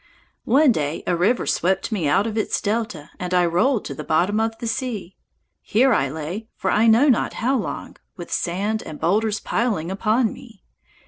One day a river swept me out of its delta and I rolled to the bottom of the sea. Here I lay for I know not how long, with sand and boulders piling upon me.